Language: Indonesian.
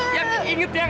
iyang inget ya